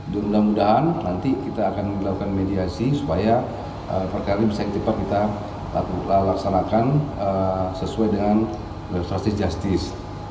mudah mudahan nanti kita akan melakukan mediasi supaya perkara ini bisa cepat kita laksanakan sesuai dengan restruction justice